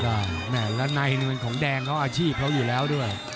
แล้วในเงินของแดงเขาอาชีพเขาอยู่แล้วด้วย